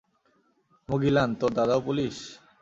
মুগিলান, তোর দাদাও পুলিশ?